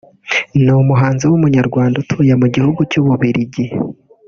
ni umuhanzi w’Umunyarwanda utuye mu gihugu cy’u Bubiligi